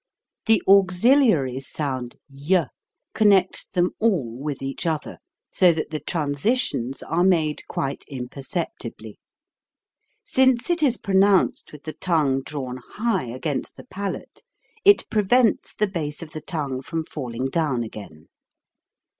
The auxiliary sound y connects them all with each other, so that the transitions are made quite imperceptibly. Since it is pro nounced with the tongue drawn high against the palate, it prevents the base of the tongue from falling down again.